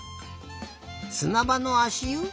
すなばのあしゆ？